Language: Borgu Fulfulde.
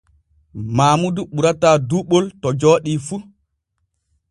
Maamudu ɓurata duuɓol to jooɗi fu.